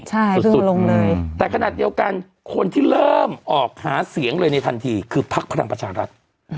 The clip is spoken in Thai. ใช่สุดสุดลงเลยแต่ขนาดเดียวกันคนที่เริ่มออกหาเสียงเลยในทันทีคือพักพลังประชารัฐ